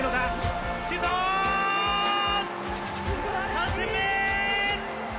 ３点目！